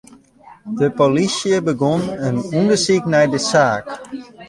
De polysje begûn mei in ûndersyk nei de saak.